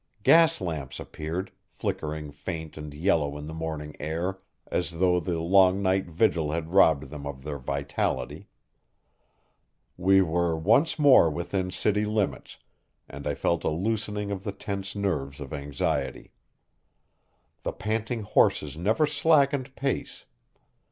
Gas lamps appeared, flickering faint and yellow in the morning air, as though the long night vigil had robbed them of their vitality. We were once more within city limits, and I felt a loosening of the tense nerves of anxiety. The panting horses never slackened pace.